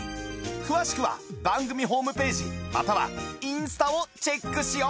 詳しくは番組ホームページまたはインスタをチェックしよう